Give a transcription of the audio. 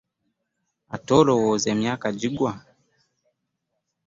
Ate olowooza emyaka girwa?